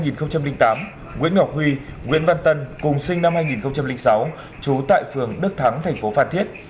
nguyễn ngọc huy nguyễn văn tân cùng sinh năm hai nghìn sáu trú tại phường đức thắng thành phố phan thiết